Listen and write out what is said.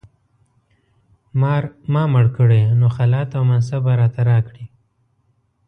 مار ما مړ کړی نو خلعت او منصب به راته راکړي.